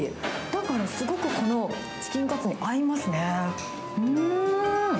だからすごくこのチキンカツに合いますね。